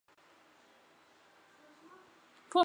缺叉石蛾属为毛翅目指石蛾科底下的一个属。